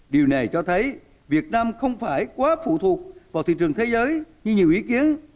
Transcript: điều này cho thấy việt nam không phải quá phụ thuộc vào thị trường thế giới như nhiều ý kiến